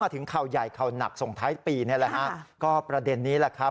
ถึงข่าวใหญ่ข่าวหนักส่งท้ายปีนี่แหละฮะก็ประเด็นนี้แหละครับ